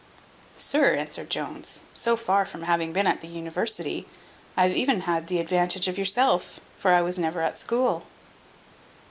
"Sir," answered Jones, "so far from having been at the university, I have even had the advantage of yourself, for I was never at school."